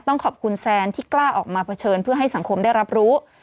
ต้องขอบคุณแซนที่กล้าออกมาเผชิญเพื่อให้สังคมได้รับรู้